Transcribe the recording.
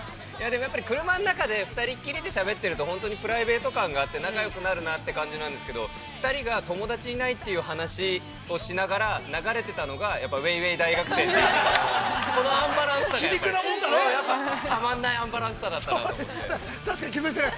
でも、やっぱり車の中で２人きりでしゃべってると、本当にプライベート感があって、仲よくなるなって感じなんですけど、２人が友達いないっていう話をしながら、流れてたのが「ウェイウェイ大学生」というこのアンバランスさがやっぱ、たまんないアンバランスさだったなと思って。